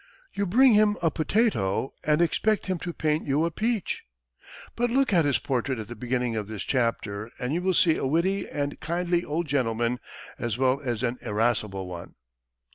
"You bring him a potato and expect him to paint you a peach!" But look at his portrait at the beginning of this chapter, and you will see a witty and kindly old gentleman, as well as an irascible one.